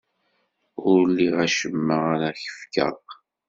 Ur liɣ acemma ara ak-fkeɣ.